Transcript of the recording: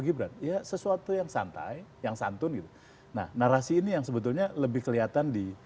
gibran ya sesuatu yang santai yang santun gitu nah narasi ini yang sebetulnya lebih kelihatan di